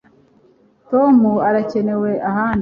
Tom arakenewe ahandi